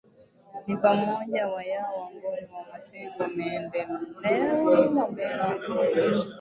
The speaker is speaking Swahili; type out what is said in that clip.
ni pamoja Wayao Wangoni Wamatengo Wandendeule Wabena na Wandengereko